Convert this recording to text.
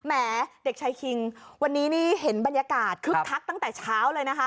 แม้เด็กชายคิงวันนี้นี่เห็นบรรยากาศคึกคักตั้งแต่เช้าเลยนะคะ